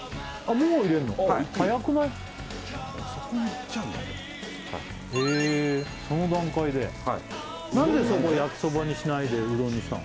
もうへその段階ではい何でそこ焼きそばにしないでうどんにしたの？